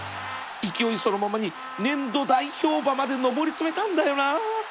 勢いそのままに年度代表馬まで上り詰めたんだよな